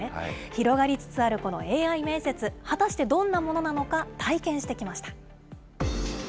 広がりつつあるこのＡＩ面接、果たしてどんなものなのか、体験してきました。